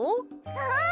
うん！